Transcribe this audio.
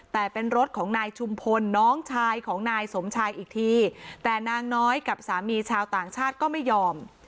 แต่เป็นรถของนายชุมพลน้องชายของนายสมชายอีกทีแต่นางน้อยกับสามีชาวต่างชาติก็ไม่ยอม